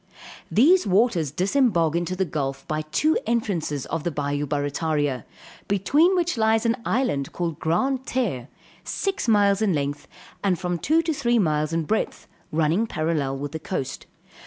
These waters disembogue into the gulf by two entrances of the bayou Barrataria, between which lies an island called Grand Terre, six miles in length, and from two to three miles in breadth, running parallel with the coast.